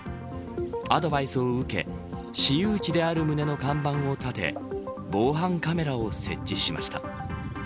アドバイスを受け私有地である旨の看板を立て防犯カメラを設置しました。